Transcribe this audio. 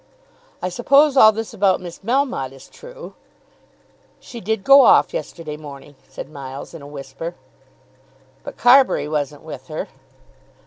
"I suppose all this about Miss Melmotte is true?" "She did go off yesterday morning," said Miles, in a whisper. "But Carbury wasn't with her."